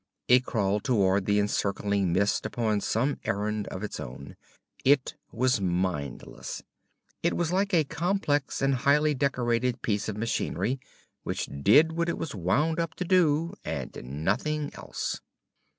It crawled toward the encircling mist upon some errand of its own. It was mindless. It was like a complex and highly decorated piece of machinery which did what it was wound up to do, and nothing else.